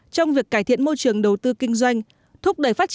trong việc cải thiện môi trường đầu tư kinh doanh